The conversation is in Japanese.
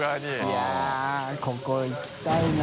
い筺舛ここ行きたいな。